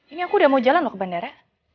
ini aku udah mau jalan loh ke bandara